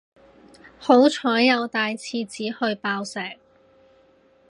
好彩有帶廁紙去爆石